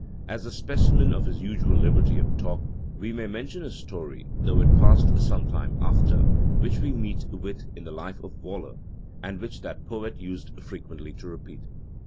[*] As a specimen of his usual liberty of talk, we may mention a story, though it passed some time after, which we meet with in the life of Waller, and which that poet used frequently to repeat.